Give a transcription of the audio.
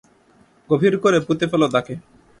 গভীর করে পুঁতে ফেলো তাকে।